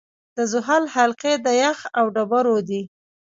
د زحل حلقې د یخ او ډبرو دي.